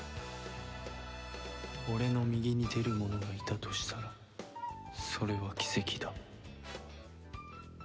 俺の右に出るものがいたとしたらそれは奇跡だ